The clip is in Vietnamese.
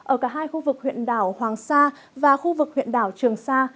ở cả hai khu vực huyện đảo hoàng sa và khu vực huyện đảo trường sa